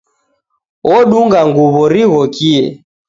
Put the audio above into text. Odunga nguw'o righokie.